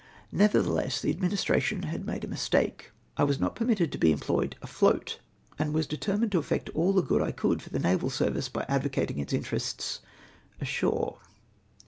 Nevertheless, the Ad ministration had made a mistake. I was not permitted to be employed afloat^ and was determined to effect all the good I could for the naval service by advocating its interests nshore.